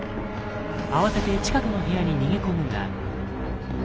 慌てて近くの部屋に逃げ込むが。